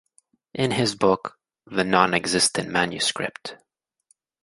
In his book The Non-Existent Manuscript.